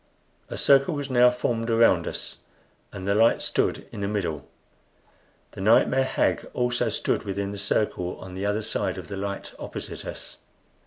A circle was now formed around us, and the light stood in the middle. The nightmare hag also stood within the circle on the other side of the light opposite us.